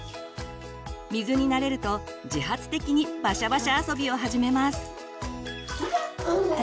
水に慣れると自発的にバシャバシャ遊びを始めます。